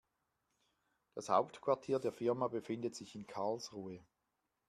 Das Hauptquartier der Firma befindet sich in Karlsruhe